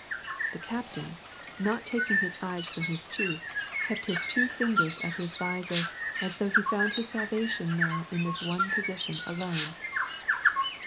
" The captain, not taking his eyes from his chief, kept his two fingers at his visor, as though he found his salvation now in this one position alone.